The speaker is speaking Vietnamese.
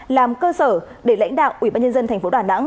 làm cơ sở để lãnh đạo ủy ban nhân dân tp đà nẵng